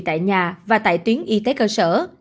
tại nhà và tại tuyến y tế cơ sở